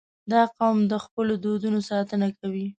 • دا قوم د خپلو دودونو ساتنه کوي.